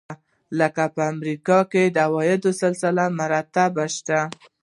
لکه په امریکا کې د عوایدو سلسله مراتب شته.